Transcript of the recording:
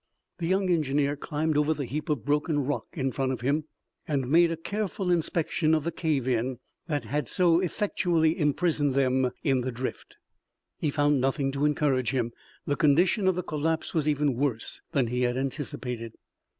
The young engineer climbed over the heap of broken rock in front of him, and made a careful inspection of the cave in that had so effectually imprisoned them in the drift. He found nothing to encourage him. The condition of the collapse was even worse than he had anticipated.